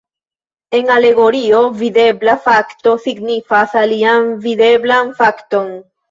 En alegorio, videbla fakto signifas alian videblan fakton.